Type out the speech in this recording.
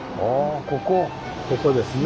ここですね。